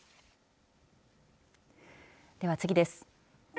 では次です。